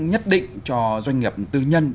nhất định cho doanh nghiệp tư nhân